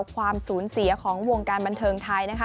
ความสูญเสียของวงการบันเทิงไทยนะคะ